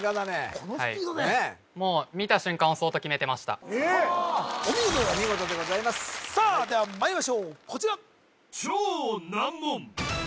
このスピードでもう見た瞬間押そうと決めてましたお見事でございますお見事でございますさあではまいりましょうこちら